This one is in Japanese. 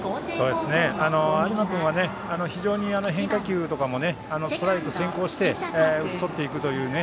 有馬君は非常に変化球とかもストライク先行して打ち取っていくというね。